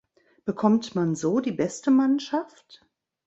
Bekommt man so die beste Mannschaft?